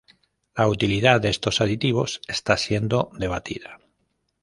La utilidad de estos aditivos está siendo debatida.